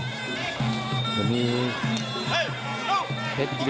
เดี๋ยวมีเล็กวิ่งไกลต่อจี๋หลักชัยแดง